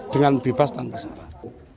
dengan bebas tanpa saran